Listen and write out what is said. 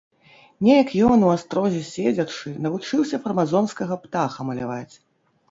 Неяк ён, у астрозе седзячы, навучыўся фармазонскага птаха маляваць.